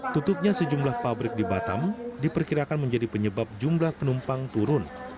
tutupnya sejumlah pabrik di batam diperkirakan menjadi penyebab jumlah penumpang turun